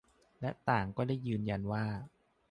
และต่างก็ยืนยันว่า